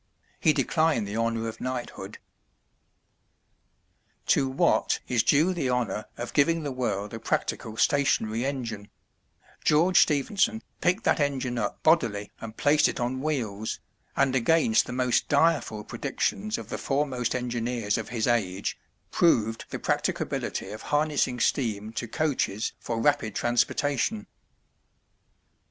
He declined the honor of Knighthood. To Watt is due the honor of giving the world a practical stationary engine; George Stephenson picked that engine up bodily and placed it on wheels, and against the most direful predictions of the foremost engineers of his age, proved the practicability of harnessing steam to coaches for rapid transportation.